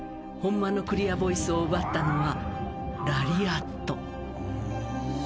本間のクリアボイスを奪ったのはラリアット］